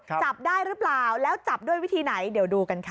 จับได้หรือเปล่าแล้วจับด้วยวิธีไหนเดี๋ยวดูกันค่ะ